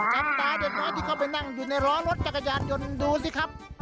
จำตาเด็กน้อยที่เข้าไปนั่งอยู่ในล้อรถจักรยานยนต์ดูสิครับ